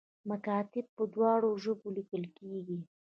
مکاتیب په دواړو ژبو لیکل کیږي